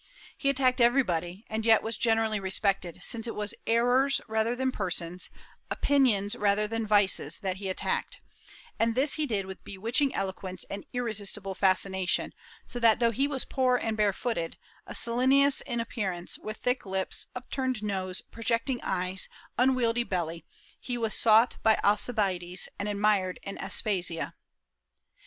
He attacked everybody, and yet was generally respected, since it was errors rather than persons, opinions rather than vices, that he attacked; and this he did with bewitching eloquence and irresistible fascination, so that though he was poor and barefooted, a Silenus in appearance, with thick lips, upturned nose, projecting eyes, unwieldy belly, he was sought by Alcibiades and admired by Aspasia.